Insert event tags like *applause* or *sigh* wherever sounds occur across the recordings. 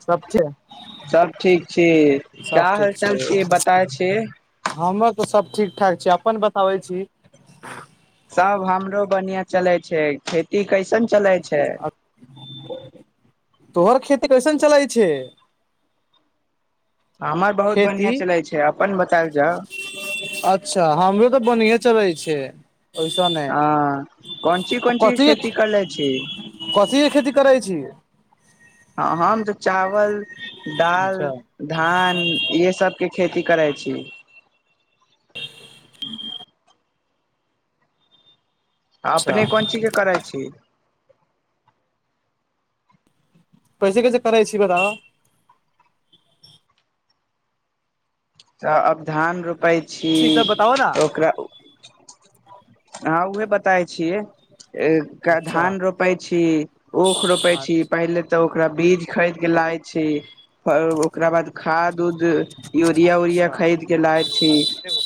सब ठीक सब ठीक छी, सब क्या ठीक हाल-चाल छी, छै बताय छी। हमर तऽ सब ठीक ठाक छै अपन बताबै छी। सब हमरो बढ़ियां चलै छै, खेती कैसन चलै छै। तोहर खेती कैसन चलै छै। हमर बहुत खेती बढ़ियां चलै छै, अपन बतायल जाउ। अच्छा, हमरो तऽ बढिये चलै छै। ओइसने हँ, कोन चीज कोन चीज कथी खेती करले छी। कथी के खेती करय छी। हँ हम तऽ चावल दाल। अच्छा धान इएहे सबके खेती करै छी। ह। आ अच्छा अपने कोन चीजके करै छी। कैसे कैसे करै छी बताउ। तऽ अब धान रोपै छी ई सब बताबऽ न ओकरा। हँ उहे बताय छियै। अच्छा धान रोपै छी ऊख रोपै छी अच्छा पहिले। तऽ ओकरा बीज खरीद के लाय छी ओकरा बाद खाद उद यरिया उरिया अच्छा खरीद के लाय छी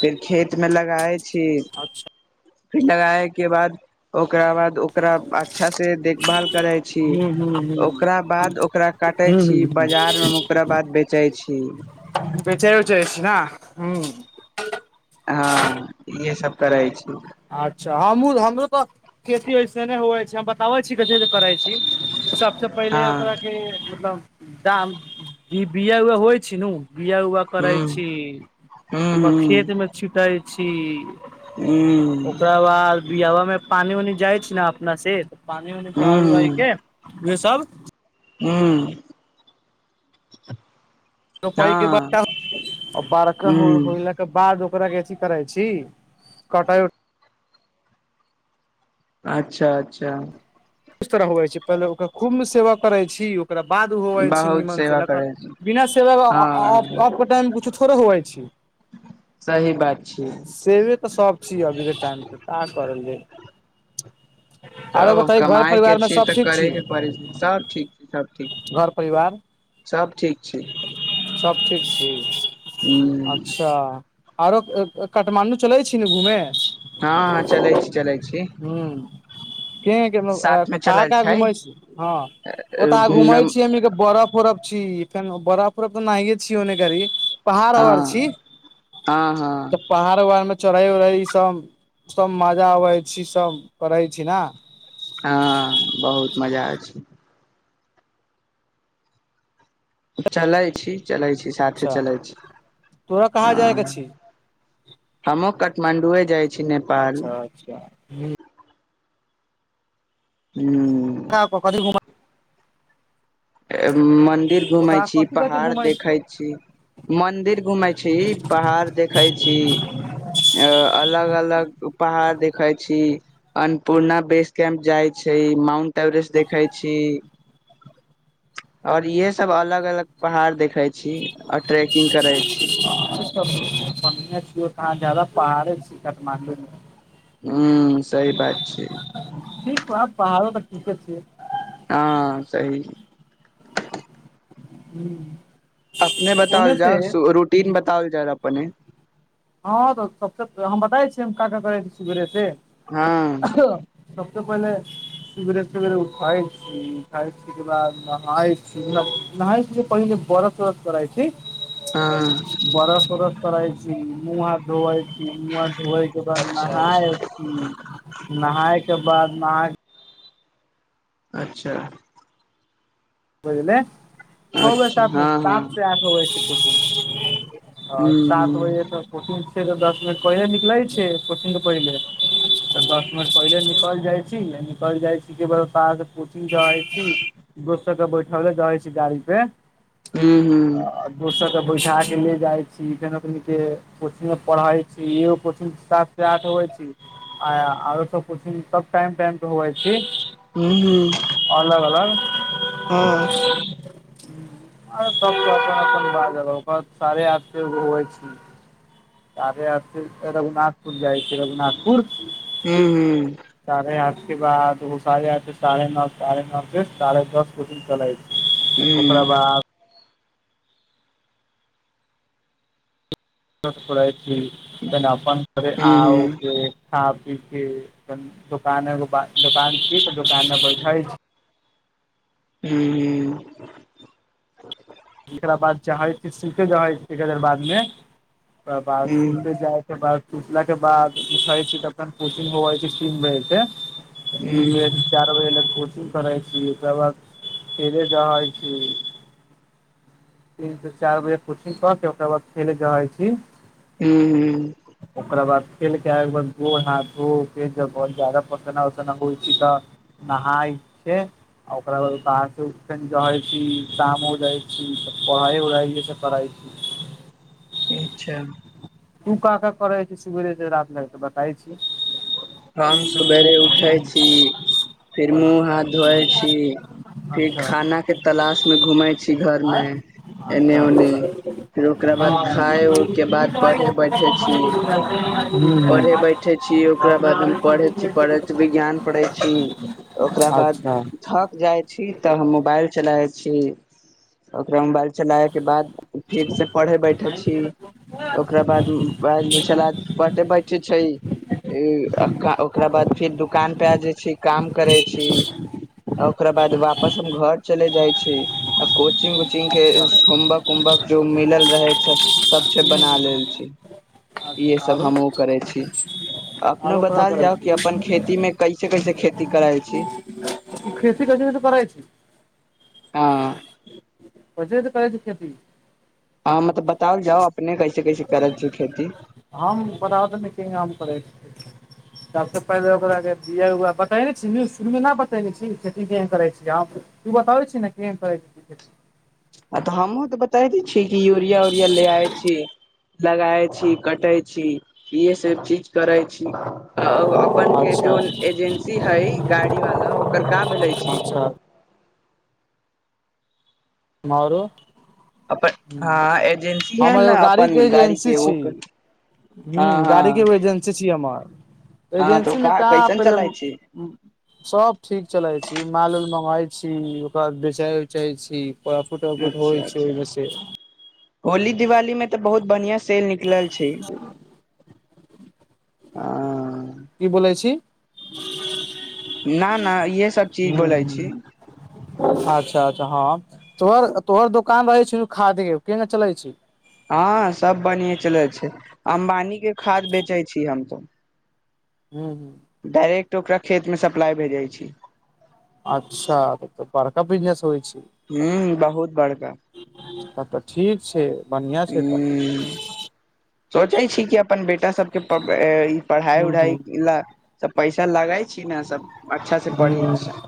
फेर खेत में लगाय छी। अच्छा फेर लगाय के बाद ओकरा बाद ओकरा अच्छा से देखभाल करै छी। ओकरा बाद ओकरा काटै छी बजारमे ओकरा बाद बेचै छी। बेचैयो चाहै छी ने, ह। हँ इहे सब करै छी। अच्छा हमहुँ हमरो तऽ खेती ऐसे नहि हुइ छै हम बताबै छी कथी करै छी। पहिले हँ ओकरा के मतलब दाम, बिया- उआ होइ छी नु बिया- उ करै हूँ छी, हूँ ओकर खेत मे छिटाई छी। हूं। ओकरा बाद बिअबा में पानि- उनि जाइ छै ने अपना से, पानि उनि जाइ हूँ के। ये सब। ह्म। पके बाद बारका होइ- हूँ होइ ले। के बाद ओकरा के अथी करै छी, कटा अच्छा- अच्छा! इस तरह होवइ छी, पहिले ओकरा खु्मे सेवा करैत छी, ओकरा बाद होवै छै बहुत निमनसँ, सेवा नहि तऽ करै छी बिना सेवाके हँ अप-अप के टाइममे किुछो थोड़े होवइ छै। सही बात छै। सेवे तऽ सब छी अभी के टाइम ता का करले, आरो तब बता घर कमाय के परिवार मे छिय सब तऽ ठीक करे छी के पड़े छै, सब ठीक छै, सब ठीक, घर परिवार सब ठीक। छै सब ठीक छी। हूँ अच्छा! आरो काठमाण्डू चलै छी ने घूमे। हँ चलै छी। चलै छी। हूं के साथ मे काहां चलल -काहां छै घुमै छी, हँ। ओतऽ आहां घूमै हँ छीयै हमनी के बरफ- उरफ। जी फेन बरफ- उरफ तऽ नाहिये छी ओने गरी पहाड़ - उहाड़ छी। हँ हँ पहाड़- उहाड़में, चढ़ै- उढ़ै ई सब- सब मजा अबै छी, सब करै छी ने। हँ बहुत मजा आबै छी। चलै छी, चलै छी, साथे अच्छा चलै छी तोरा कहाँ जाय के हँ। छी हमो काठमांडू जाइ छी। नेपाल अच्छा- अच्छा। हूं। ओकरा और के कथि घुमऽ मन्दिर घूमै ओतऽ छी, कथी कथी पहाड़ घुमै देखै छी। मंदिर घूमे छी, पहाड़ देखे छी। अ अलग -अलग पहाड़ देखै छी। अन्नपूर्णा बेस कैम्प जाइ छै, माउंट एवरेस्ट देखै छी। आओर इएहेसभ अलग -अलग पहाड़ देखैत छी, आओर ट्रैेकिंग करैत छी। बनिया छी, जादा पहाड़ छै काठमांडू में। हू सही बात छै। ठीक बा पहाड़ो तऽ ठीके छीयै। हँ सही। हूं। अपने बताओल जाउ, रूटीन बताओल जाउ अपने। हँ तऽ सबसे हम बताइ छी, हम का- का करै छी, कि भेलै हे से। हँ सबसे पहिले। सुबेरे- सुबेरे उठाइ छी, उठाइ छी के बाद नहाई छी नहाइ छी से पहिने बरस- उरस करै छी। हँ ब्रश- उर्स करइ छी, मुंह- हाथ धोअइ छी धोएइ के बाद अच्छा नहाय अच्छा छी, नहाय के बाद न अच्छा। बुझले। छ वाएह अच्छा सात मे हँ हँ सात से आठ बजे छै कोचिंग, हां सात हूँ बजे त कोचिंग छै तऽ दस मिनट पहिले निकले छै, कोचिंग के पहिले त दस मिनट पहिले निकल जाय छी आ निकल जाय छी के *unintelligible* कोचिंग जाय छी, दोस्त सबके बैठाला जाय छी गाड़ी पे। हुं-हुं। दोस्त सबके बैसा के ले जाय छी फेर ओकनी के कोचिंग मे पढ़ै छी, एगो कोचिंग सात से आठ होय छी। आ आरो सब कोचिंग सब टाइम-टाइम पे होबै छी। हुं। अलग-अलग। हां। *inaudible* आर सब *unintelligible* आठ बजे के बाद होकत, साढ़े आठ के होय छी। साढ़े आठ से रघुनाथपुर जाय छी रघुनाथपुर। हुं-हुं। साढ़े आठ के बाद उ साढ़े आठ से साढ़े नौ, साढ़े नौ से साढ़े दस कोचिंग चलै छै। हुं। ओकरा बाद *unintelligible* पढ़ैत छी फेन अपन घरे हूँ हूँ हूँ आओ हूँ के आबि के अपन दोकान एगो बा, दोकान छी तऽ दोकान मे बैठल छी। हुं-हुं। एकरा बाद चाहे छी सुते जाय *unintelligible* बाद मे, ओकर बाद सुते जाय के बाद सुतला के बाद उठे छी तखन कोचिंग होवे छी तीन बजे से। हूँ तीन हूँ बजे से चार बजे लग कोचिंग करै छी, ओकरा बाद खेलै जाय छी। तीन से चार बजे कोचिंग क के ओकरा बाद खेलै जाय छी। हुं-हुं। ओकरा बाद खेल के आय के बाद गोड़ हाथ धो फेर जब बहुत जादा पसिना-उसिना होय छी तऽ नहाय छै आ ओकरा बाद उ कहा से *unintelligible* जाय छी, शाम हो जाय छी त पढ़ाई-उढ़ाई इहे सब करै छी। नीक छै। तू का-का करै छी सुबेरे से राएत भैर तऽ बताई छी। हम सबेरे उठै छी, फिर मुंह हाथ धोए छी। फिर अच्छा खाना के तलाश मे घूमेै छी घर मे। अच्छा अच्छा एने-ओने फिर ओकरा बाद खाय उके बाद अच्छा पढ़े बै ठे छी, पढ़े बैठे छी ओकरा बाद एकदम पढ़े छी, पढ़े छी बिज्ञान पढ़े छी, ओकरा बाद थक जाय छी तऽ हम मुबाएल चलाय छी, ओकरा मुबाएल चलाय के बाद फिर से पढ़े बैठे छी, ओकरा बाद उम्म मुबाएल मे चलाय पढ़े बैठे छै इ ई आ का ओकरा बाद फिर दुकान पे आ जाय छी, काम करे छी आ ओकरा बाद वापस हम घर चले जाय छी। आ कोचिंग-ओचिंग के होमवक-उमवक जो मिलल रहै छै सब छै बना लेल छी, इहे सब आरो हमहु करै छी अपनो आरो बता कहाँ ल करै जाउ कि छी अपन खेती मे कैसे-कैसे खेती करल छी। खेती कैसे-कैसे करै छी। हां। ओजे तै करय छै खेती। हां मतलब बताउल जाउ अपने कैसे-कैसे करय छियै खेती? हम *unintelligible* काम करय छीयै। सबसे पहले ओकरा जे बिया उवा बतेनय छी नै *unintelligible* न बतेनय छी खेती केहेन करय छीयै यहां पे ई बताबै छी नै केहेन करय छै। आ तै हम्हुँ तऽ बताए दै छीयै कि यूरिया-उरिया ले आबै छी लगाय छी, कटै छी, इहे सब चीज करय छी। अ ओ अपन के अच्छा जोन एजेन्सी हय गाड़ी वाला ओकर का भेलय छी। अच्छा मारो। अपन हुं हँ एजेंसी है हमर एगो ने गाड़ीके अपन गाड़ी एजेंसी के ओ छी। हुं हँ गाड़ी के हँ एगो एजेंसी छी हमर हँ तऽ ओ एजेंसी मे का कैसन पहले चलाय छी उम्म सब ठीक चलय छी, माल-उल मंगय छी ओकरा बेचय-उचय छी *unintelligible* होइ छै अच्छा-अच्छा ओहिमे से होली-दिवाली में तै बहुत बढ़िया सैल निकलल छै, अ की बोैलय छी। न-न इहे सब चीज बोलय छी। अच्छा-अच्छा हां। तोहर-तोहर दोकान रहय छो खाधी उ केना चलय छै। हां सब बढ़िया चलय छै, अम्बानी के खाद बेचय छीयै हम सब। हूं-हूं। डायरेक्ट ओकरा खेत मे सप्लाय भेजय छी। अच्छा तब तै बड़का बिजनेस होय छै। हूं बहुत बड़का। तब तै ठीक छै, बन्हिया छै तऽ सोचय छी कि अपन बेटा सबके प ई पढ़ाइ हूँ हूँ उढ़ाई ला सब पैसा लगाय छी नै सब अच्छा से पढ़ी हूँ उ सब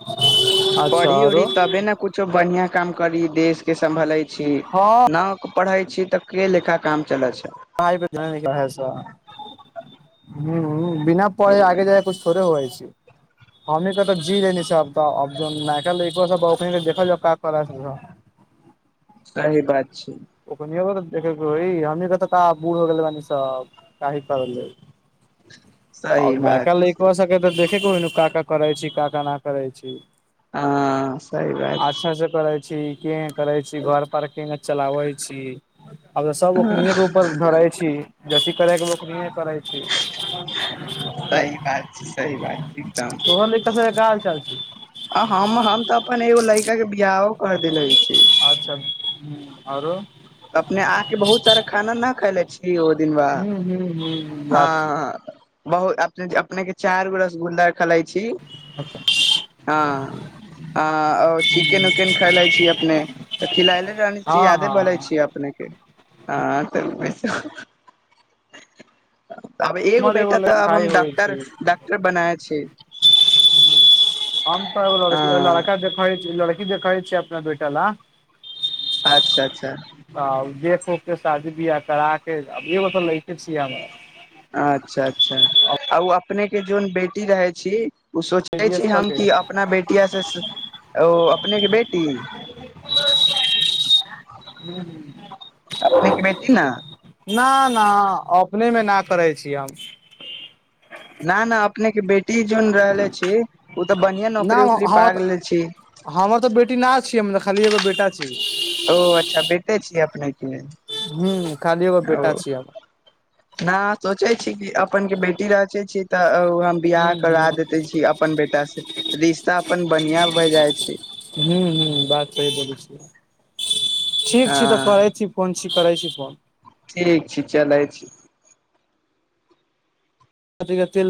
अच्छा पढ़ी-उढ़ी आरो तबे नै कूछ कूछो बढ़िया काम करी देश के सम्भले छी हँ न पढ़य छी तऽ के लेखा काम चलय छै। *unintelligible* पढ़य से हुं बिना पढ़ै आगे सही जाके कुछ थोड़े हो जाए छै, हमनी के तऽ जी लेने छीयै आब। त आब जौन नयका लइकवा सब बौखनी त देखल जा कराए सकलै। सही बात छै। *unintelligible* सही आब बात नायका छै लईकबा सबके तऽ देखय के होई न का-का करै छै का-का नै करै छी। हँ सही बात अच्छा छै से करय छी, केहेन करय छी, घर पर केना चला व छी आब तै सब ओखनिए के ऊपर धरय छी। *unintelligible* ओखनीए करय छी। सही बात छै, सही बात छै एकदम। तोहर लइका सब के का हाल चाल छै आ हम हम तऽ अपन एगो लड़का के बियाहो कर देले छी। तब हुं आरो अपने आपके बहुत सारा खाना नै खएले छी ओ दिन वाहा हूँ हूँ हूँ याद छै। हँ बहुत अपने -अपने के चारि गो रसगुल्ला खेलाइ छी। अचछा हँ। अ और चिकेन उकेन खले छी अपने खिलायले रहने छी हँ यादे हँ पड़ै छी अपने के हँ। अब एगो हमर बेटा त अब लड़काइ हम होइ छै डक्टर, डॉक्टर बनाए छी। हम त एगो लड़ हँ लड़का देखय छियै लड़की देखय छियै अपना बेटा ल। अच्छा- अच्छा। हँ देख उखके शादी बियाह करा के अब एगो त लैके छियै हमरो। अच्छा- अच्छा आ ओ अपने के जोन बेटी रहै छी ओ सोचने छी हम कि अपना बेटियासे ओ अपनेके बेटी ह अपने के बेटी न न- ना अपने मे न करै छी हम। न -न अपने के बेटी जोन रहले छी ओ त बढ़ियाँ ना नौकरी उकरी पा हमर तऽ लेले छी। हमर त बेटी न छी हमरा खाली एगो बेटा छी। ओ अच्छा बेटे छियै अपनेके। हु खाली एगो बेटा छियै हमर। न सोचै छी कि अपनके बेटी रहचे छी त हम बियाह हूँ करा हूँ देते छी अपन बेटासे, रिश्ता अपन बढ़ियाँ भए जाइ छैय। हु- हु बात सही बोलै छियै, ठीक छी त कहै हँ छी कोन ची करै छी फोन। ठीक छैय चलै छी। तेल